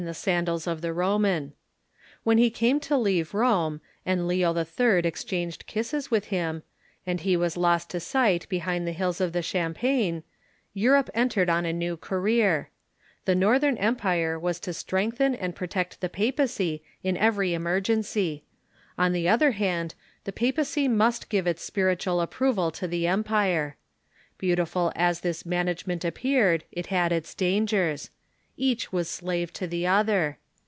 .. the sandals of the Roman. When he came to Later Relations ,„,^ ttt i i t • of Charlemagne leave Kome, and Leo 111. exchanged kisses with and the Pope ],ijj^^ ^nd he was lost to sight behind the hills of the Champagne, Europe entered on a new career. The Northern em pire was to strengthen and protect the papacy in every emer gency. On the other hand, the papacy must give its spiritual approval to the empire. Beautiful as this management ap peared, it had its dangers. Each was slave to the other.